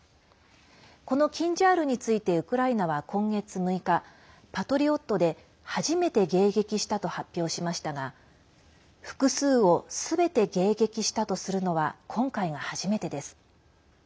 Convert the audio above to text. この「キンジャール」についてウクライナは今月６日「パトリオット」で初めて迎撃したと発表しましたが複数をすべて迎撃したとするのは今回が初めてです。